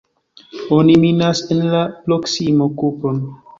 Oni minas en la proksimo kupron.